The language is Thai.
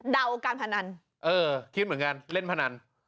การพนันเออคิดเหมือนกันเล่นพนัน